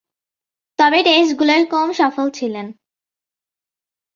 তবে, টেস্টগুলোয় কম সফল ছিলেন।